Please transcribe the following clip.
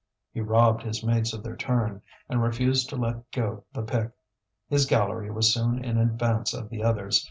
He robbed his mates of their turn, and refused to let go the pick. His gallery was soon in advance of the others.